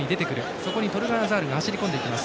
そこにトルガン・アザールが走り込んできます。